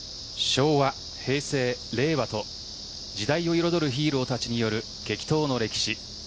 昭和、平成、令和と時代を彩るヒーローたちによる激闘の歴史。